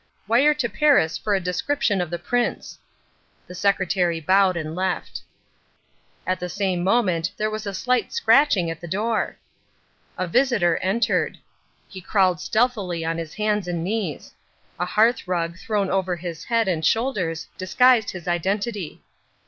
"Wire to Paris for a description of the Prince." The secretary bowed and left. At the same moment there was slight scratching at the door. A visitor entered. He crawled stealthily on his hands and knees. A hearthrug thrown over his head and shoulders disguised his identity.